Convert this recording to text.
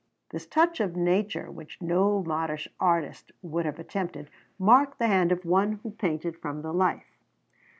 This touch of nature, which no modish artist would have attempted, marked the hand of one who painted from the life.